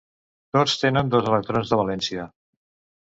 Tots tenen dos electrons de valència.